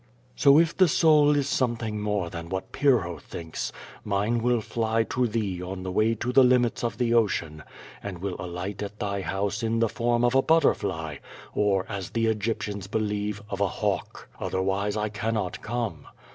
So if the soul is something more than what Pyrrho thinks, 504 Q^O VADIS. mine will fly to thee on the way to the limits of the ocean^ and will alight at thy house in the form of a butterfly, or, as the Egyptians believe, of a hawk. Otherwise, £ cannot come.